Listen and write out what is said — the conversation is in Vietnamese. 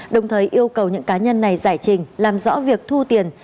đồng thời yêu cầu những cá nhân này giải trình làm rõ việc thu tiền